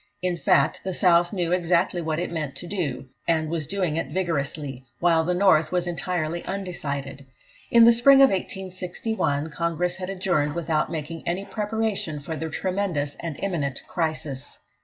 In fact, the South knew exactly what it meant to do, and was doing it vigorously, while the North was entirely undecided. In the spring of 1861, Congress had adjourned without making any preparation for the tremendous and imminent crisis.